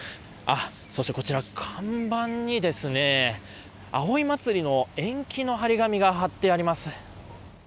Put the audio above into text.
そして、看板に葵祭の延期の貼り紙が貼ってあります。